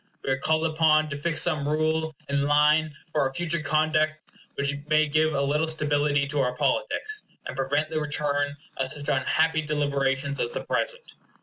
We are called upon to fix some rule and line for our future conduct which may give a little stability to our politics, and prevent the return of such unhappy deliberations as the present.